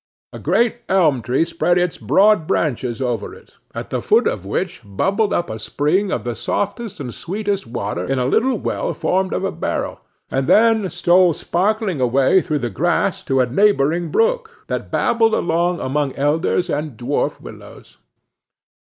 A great elm tree spread its broad branches over it, at the foot of which bubbled up a spring of the softest and sweetest water, in a little well formed of a barrel; and then stole sparkling away through the grass, to a neighboring brook, that babbled along among alders and dwarf willows.